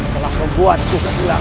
telah membuatku kecil